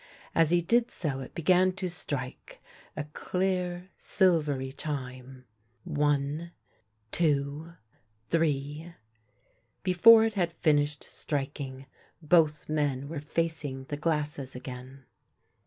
As he did so it began to strike — a clear, silvery chime :" One ! two ! three " Before it had finished striking both men were facing the glasses again.